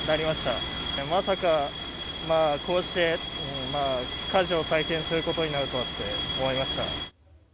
まさか、こうして火事を体験することになるとはって思いました。